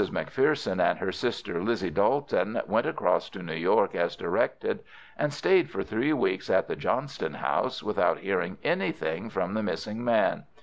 McPherson and her sister Lizzie Dolton went across to New York as directed, and stayed for three weeks at the Johnston House, without hearing anything from the missing man.